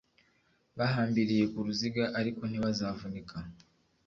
bahambiriye ku ruziga, ariko ntibazavunika